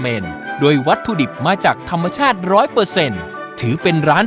ด้วยวัตถุดิบมาจากธรรมชาติร้อยเปอร์เซ็นต์ถือเป็นร้าน